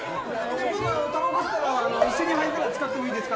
僕、今、たばこ吸ってたら、一緒に灰皿使ってもいいですか？